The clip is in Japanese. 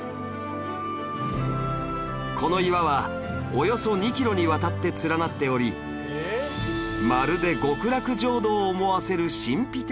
この岩はおよそ２キロにわたって連なっておりまるで極楽浄土を思わせる神秘的な世界